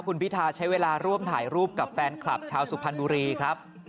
คุณพิทาใช้เวลาร่วมถ่ายรูปกับแฟนคลับชาวสุพรรณบุรีครับ